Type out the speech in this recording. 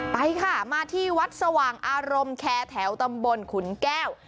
ไปค่ะมาที่วัดสว่างอารมณ์แคร์แถวตำบลขุนแก้ว